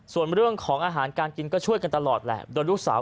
ส่วนเรื่องของอาหารการกินก็ช่วยกันตลอดแหละ